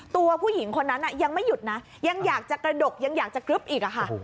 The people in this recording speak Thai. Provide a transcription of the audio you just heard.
ตัวผู้หญิงคนนั้นยังไม่หยุดนะยังอยากจะกระดกยังอยากจะกรึ๊บอีกค่ะ